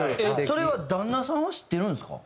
それは旦那さんは知ってるんですか？